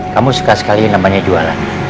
kamu suka sekali namanya jualan